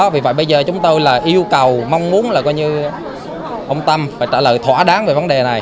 vì vậy bây giờ chúng tôi là yêu cầu mong muốn là coi như ông tâm phải trả lời thỏa đáng về vấn đề này